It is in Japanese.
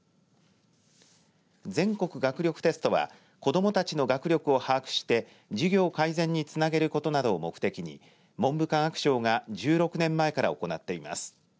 全国学力テストは子どもたちの学力を把握して授業改善につなげることなどを目的に文部科学省が１６年前から行っています。